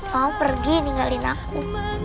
mamamu pergi ninggalin aku